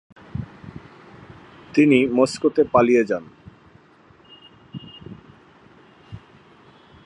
তিনি মস্কোতে পালিয়ে যান।